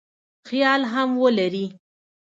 خیال هم ولري.